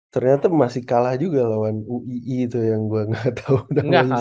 ternyata masih kalah juga lawan uii itu yang gua gak tau namanya siapa